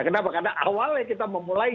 kenapa karena awalnya kita memulai